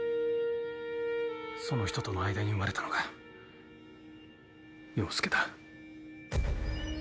その人との間に生まれたのが洋介だ。